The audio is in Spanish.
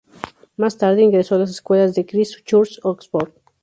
Más tarde, ingresó a las escuelas de Christ Church, Oxford.